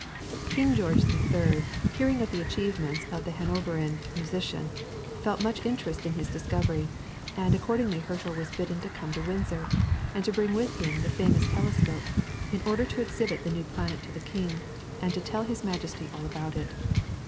King George the Third, hearing of the achievements of the Hanoverian musician, felt much interest in his discovery, and accordingly Herschel was bidden to come to Windsor, and to bring with him the famous telescope, in order to exhibit the new planet to the King, and to tell his Majesty all about it.